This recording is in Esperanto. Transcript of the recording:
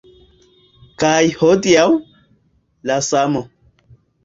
Kaj hodiaŭ… la samo.